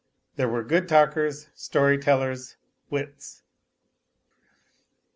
There were good talkers, story tellers, wits.